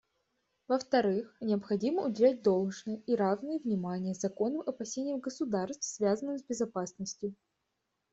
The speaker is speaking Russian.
Во-вторых, необходимо уделять должное, и равное, внимание законным опасениям государств, связанным с безопасностью.